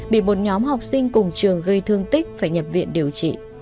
bị một nhóm học sinh cùng trường gây thương tích phải nhập viện điều trị